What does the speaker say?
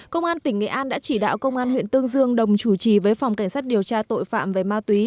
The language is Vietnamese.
công an tỉnh nghệ an đã chỉ đạo công an huyện tương dương đồng chủ trì với phòng cảnh sát điều tra tội phạm về ma túy